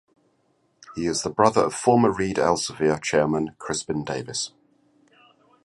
He is the brother of former Reed Elsevier chairman Crispin Davis.